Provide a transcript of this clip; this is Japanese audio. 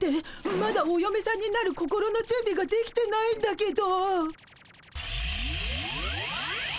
まだおよめさんになる心のじゅんびができてないんだけど。